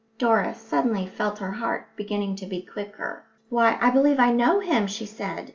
Doris suddenly felt her heart beginning to beat quicker. "Why, I believe I know him!" she said.